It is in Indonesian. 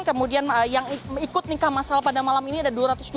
kemudian yang ikut nikah masal pada malam ini ada dua ratus delapan puluh